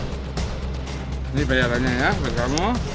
ini bayarannya ya buat kamu